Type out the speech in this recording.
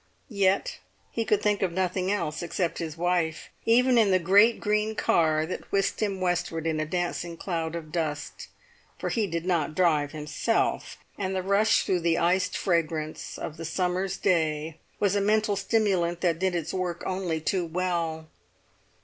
Yet he could think of nothing else, except his wife, even in the great green car that whisked him westward in a dancing cloud of dust; for he did not drive himself, and the rush through the iced fragrance of the summer's day was a mental stimulant that did its work only too well.